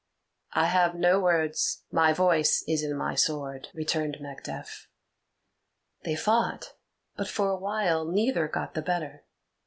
"I have no words; my voice is in my sword," returned Macduff. They fought, but for awhile neither got the better.